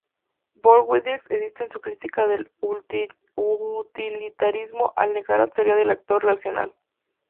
Bourdieu extiende su crítica del utilitarismo al negar la teoría del actor racional.